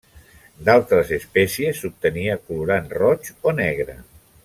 D'altres espècies s'obtenia colorant roig o negre.